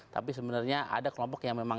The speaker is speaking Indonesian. tapi sebenarnya ada kelompok yang memang